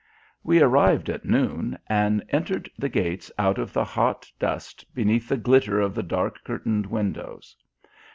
We arrived at noon, and entered the gates out of the hot dust beneath the glitter of the dark curtained windows.